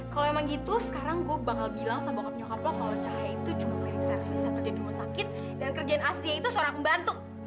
kalau emang gitu sekarang gue bakal bilang sama bokap nyokap lo kalau cahaya itu cuma klinik servis yang ada di rumah sakit dan kerjaan aslinya itu seorang pembantu